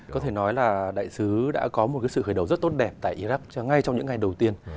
có thể nói là đại sứ đã có một sự khởi đầu rất tốt đẹp tại iraq ngay trong những ngày đầu tiên